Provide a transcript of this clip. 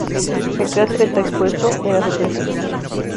El cráter está expuesto en la superficie.